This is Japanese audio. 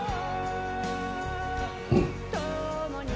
うん。